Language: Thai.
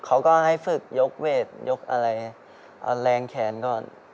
เขาก็ให้ฝึกยกเวทยกอะไรแรงแขนก่อน